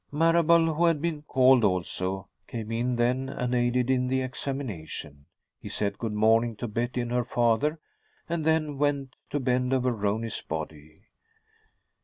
Marable, who had been called also, came in then and aided in the examination. He said good morning to Betty and her father, and then went to bend over Rooney's body.